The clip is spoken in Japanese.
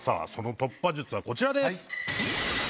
その突破術はこちらです。